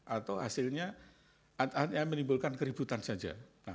atau hasilnya menimbulkan keributan saja